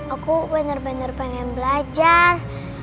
aku bener bener pengen belajar